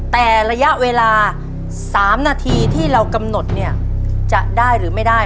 แต่ระยะเวลา๓นาทีที่เรากำหนดเนี่ยจะได้หรือไม่ได้